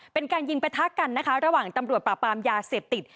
เป็นการยิงประทะกันนะคะระหว่างตำรวจปราบปรามยาเสพติด